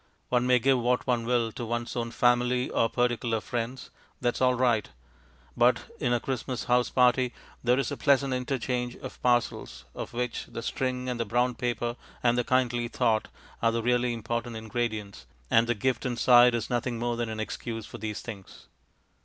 One may give what one will to one's own family or particular friends; that is all right. But in a Christmas house party there is a pleasant interchange of parcels, of which the string and the brown paper and the kindly thought are the really important ingredients, and the gift inside is nothing more than an excuse for these things.